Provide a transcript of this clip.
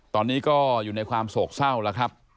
ตอนนี้ก็อยู่ในความโศกเศร้าแล้วครับ